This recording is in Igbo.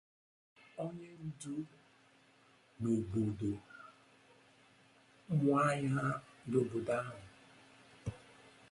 onyendu ụmụnwaanyị n'obodo ahụ